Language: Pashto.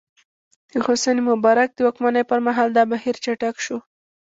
د حسن مبارک د واکمنۍ پر مهال دا بهیر چټک شو.